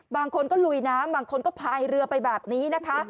บางคนก็ลุยน้ำบางคนก็พายเรือไปแบบนี้นะคะ